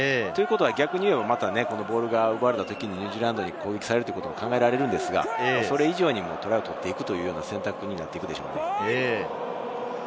逆に言えばボールが奪われたときにニュージーランドに攻撃されることも考えられるのですが、それ以上にトライを取っていくという選択になるでしょう。